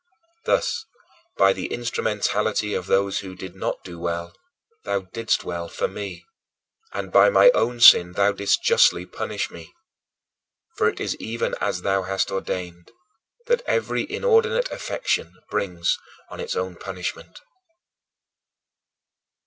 Thus by the instrumentality of those who did not do well, thou didst well for me; and by my own sin thou didst justly punish me. For it is even as thou hast ordained: that every inordinate affection brings on its own punishment.